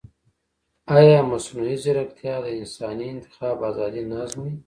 ایا مصنوعي ځیرکتیا د انساني انتخاب ازادي نه ازموي؟